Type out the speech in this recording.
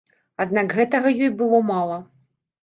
Аднак гэтага ёй было мала.